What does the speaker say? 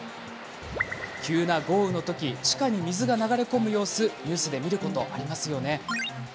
急な豪雨のとき地下に水が流れ込む様子ニュースで見ませんか？